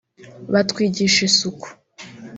batwigisha isuku